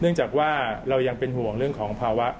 จากว่าเรายังเป็นห่วงเรื่องของภาวะ